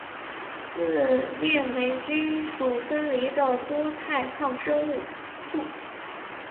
自链霉菌属分离的多肽抗生素。